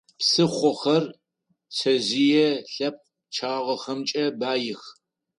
Псыхъохэр пцэжъые лъэпкъ пчъагъэхэмкӀэ баих.